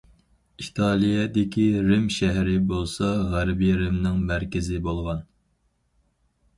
ئىتالىيەدىكى رىم شەھىرى بولسا غەربىي رىمنىڭ مەركىزى بولغان.